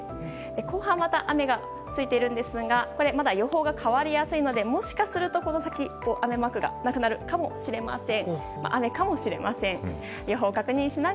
後半また雨がついていますが予報が変わりやすいのでもしかするとこの先雨マークが取れるかもしれません。